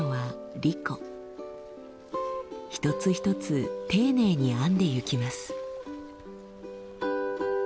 一つ一つ丁寧に編んでいきます。